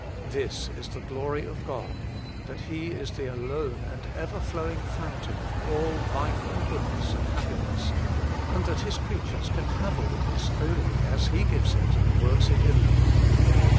This is the glory of God, that He is the alone and ever flowing fountain of all life and goodness and happiness, and that His crea tures can have all this only as He gives it and works it in them.